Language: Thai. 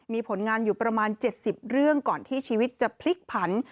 มีผลงานอยู่ประมาณ๗๐เรื่องก่อนที่ชีวิตจะพลิกผัน